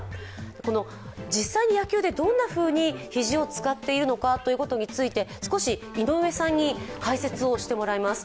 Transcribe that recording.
この実際に野球で、どんなふうに肘を使っているのかということについて少し井上さんに解説をしてもらいます。